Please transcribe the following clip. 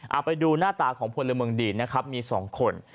เอาไปดูหน้าตาของพลเมืองดีนะครับมี๒คน